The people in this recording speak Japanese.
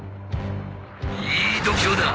いい度胸だ！